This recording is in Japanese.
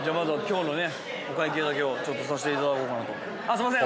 すいません。